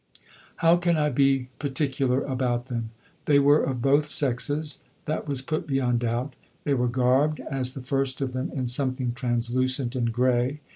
How can I be particular about them? They were of both sexes that was put beyond doubt; they were garbed as the first of them in something translucent and grey.